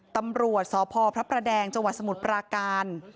ตำรวจศพพรพแดงจนวสมุทย์ปราการ